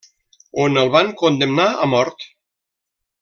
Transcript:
On el van condemnar a mort.